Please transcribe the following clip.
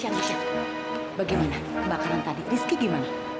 ya bagaimana kebakaran tadi rizky gimana